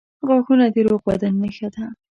• غاښونه د روغ بدن نښه ده.